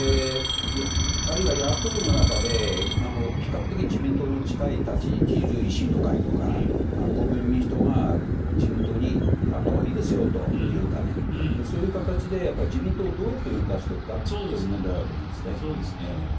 あるいは野党の中で比較的、自民党に近い立ち位置にいる維新の会とか国民民主党が自民党にやったほうがいいですよと言うかそういう形で自民党をどうやって動かしていくかという問題ですね。